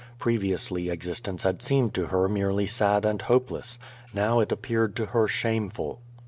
Previously existence had seemed to her merely sad and hopeless. Now it appeared to her shameful.